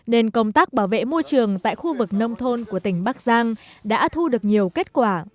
nên công tác bảo vệ môi trường tại khu vực nông thôn của tỉnh bắc giang đã thu được nhiều kết quả